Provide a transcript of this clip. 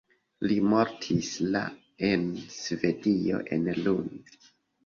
Li mortis la en Svedio en Lund.